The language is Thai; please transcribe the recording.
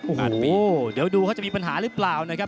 โอ้โหเดี๋ยวดูเขาจะมีปัญหาหรือเปล่านะครับ